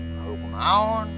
malu aku mau